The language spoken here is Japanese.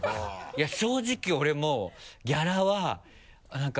いや正直俺もギャラは何か